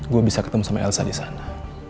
gue bisa ketemu sama elsa di sana